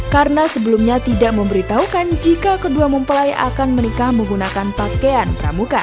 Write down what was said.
karena sebelumnya tidak memberitahukan jika kedua mempelai akan menikah menggunakan pakaian pramuka